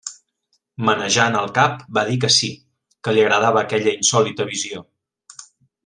Menejant el cap va dir que sí, que li agradava aquella insòlita visió.